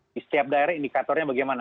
di setiap daerah indikatornya bagaimana